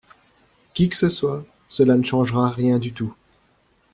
Qui que ce soit, cela ne changera rien du tout.